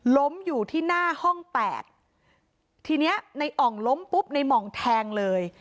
ล้มอยู่ที่หน้าห้องแปดทีเนี้ยในอ่องล้มปุ๊บในหม่องแทงเลย